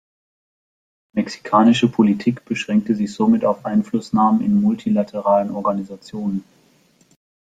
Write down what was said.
Die mexikanische Politik beschränkte sich somit auf Einflussnahme in multilateralen Organisationen.